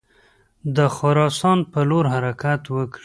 د خراسان پر لور حرکت وکړي.